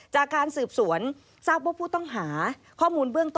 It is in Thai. จากการสืบสวนทราบว่าผู้ต้องหาข้อมูลเบื้องต้นพนักงานสอบสวนอตลิ่งชัน